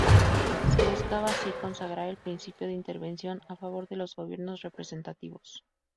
Se buscaba así consagrar el principio de intervención a favor de los gobiernos representativos.